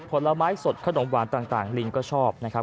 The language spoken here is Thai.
ผลไม้สดขนมหวานต่างลิงก็ชอบนะครับ